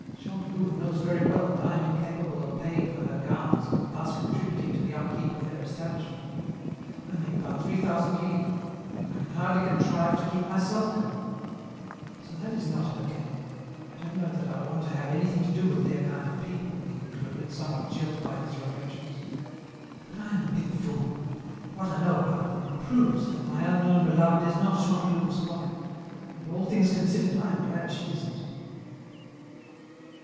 Chantelouve knows very well that I am incapable of paying for her gowns and thus contributing to the upkeep of their establishment. I make about three thousand livres, and I can hardly contrive to keep myself going. "So that is not her game. I don't know that I want to have anything to do with their kind of people," he concluded, somewhat chilled by these reflections. "But I am a big fool. What I know about them proves that my unknown beloved is not Chantelouve's wife, and, all things considered, I am glad she isn't."